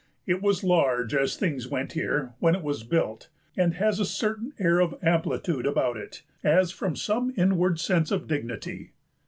It was large, as things went here, when it was built, and has a certain air of amplitude about it as from some inward sense of dignity."